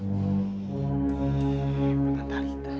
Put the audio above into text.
aku harus berhubungan dengan papa